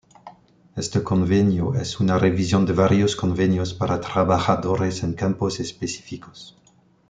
Este convenio es una revisión de varios convenios para trabajadores en campos específicos.